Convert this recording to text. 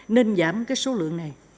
nên giảm cái số lượng này